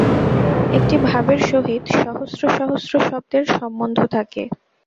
একটি ভাবের সহিত সহস্র সহস্র শব্দের সম্বন্ধ থাকে।